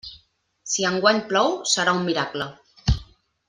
Si enguany plou, serà un miracle.